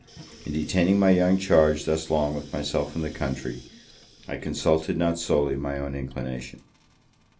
In detaining my young charge thus long with myself in the country, I consulted not solely my own inclination.